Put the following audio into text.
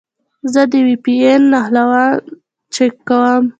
زه د وي پي این نښلون چک کوم.